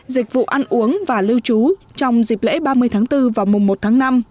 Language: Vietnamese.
dịch vụ ăn uống và lưu trú trong dịp lễ ba mươi tháng bốn và mùa một tháng năm